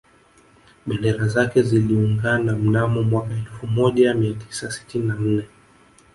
Bendera zake ziliungana mnamo mwaka elfu moja mia tisa sitini na nne